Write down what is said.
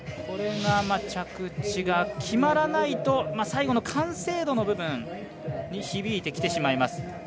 これが、着地が決まらないと最後の完成度の部分に響いてきてしまいます。